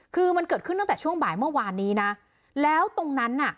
คือมันเกิดขึ้นตั้งแต่ช่วงบ่ายเมื่อวานนี้นะแล้วตรงนั้นน่ะ